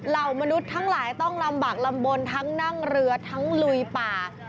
เหล่ามนุษย์ทั้งหลายต้องลำบากลำบลทั้งนั่งเรือทั้งลุยป่า